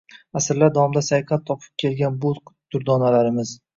Asrlar davomida sayqal topib kelgan bu durdonalarimiz